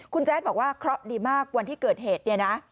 คุณแจ้งบอกว่าเคราะห์ดีมากวันที่เกิดเหตุ